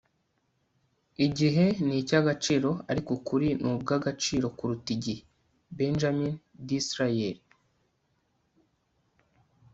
igihe ni icy'agaciro, ariko ukuri ni ubw'agaciro kuruta igihe. - benjamin disraeli